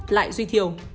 lại duy thiều